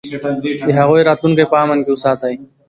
د هغوی راتلونکی په امن کې وساتئ.